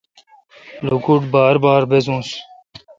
لوکوٹ بار بار بزوس۔